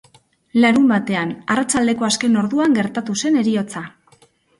Larunbatean, arratsaldeko azken orduan, gertatu zen heriotza.